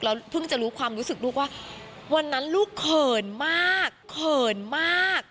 เพิ่งจะรู้ความรู้สึกลูกว่าวันนั้นลูกเขินมากเขินมาก